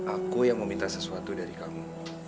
aku yang mau minta sesuatu dari kamu